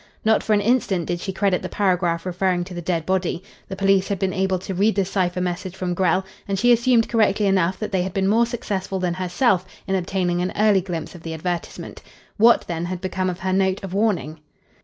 Not for an instant did she credit the paragraph referring to the dead body. The police had been able to read the cipher message from Grell, and she assumed correctly enough that they had been more successful than herself in obtaining an early glimpse of the advertisement. What, then, had become of her note of warning?